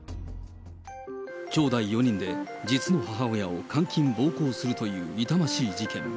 きょうだい４人で実の母親を監禁・暴行するという痛ましい事件。